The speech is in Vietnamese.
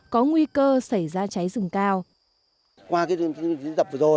có nguy cơ xảy ra cháy rừng cao